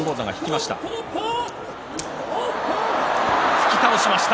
突き倒しました。